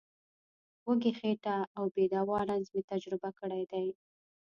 وږې خېټه او بې دوا رنځ مې تجربه کړی دی.